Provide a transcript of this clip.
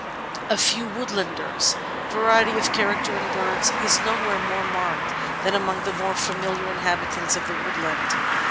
A Few Woodlanders Variety of character in birds is nowhere more marked than among the more familiar inhabitants of the woodland.